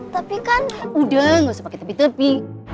tapi kan udah gak usah pakai tepi tepi